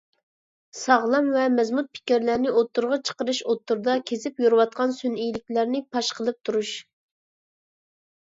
ساغلام ۋە مەزمۇت پىكىرلەرنى ئوتتۇرىغا چىقىرىش، ئوتتۇرىدا كېزىپ يۈرىۋاتقان سۈنئىيلىكلەرنى پاش قىلىپ تۇرۇش.